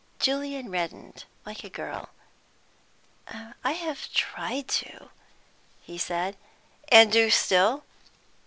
Julian reddened, like a girl. "I have tried to," he said. "And do still?"